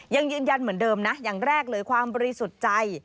ยังยืนยันเหมือนเดิมนะอย่างแรกเลยความบริสุทธิ์ใจ